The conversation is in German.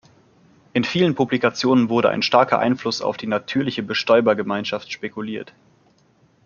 In vielen Publikationen wurde ein starker Einfluss auf die natürliche Bestäuber-Gemeinschaft spekuliert.